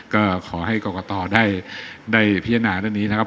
ก็ขอให้กรกตได้พิจารณาเรื่องนี้นะครับ